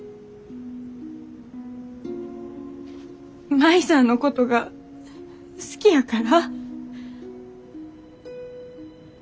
舞さんのことが好きやから？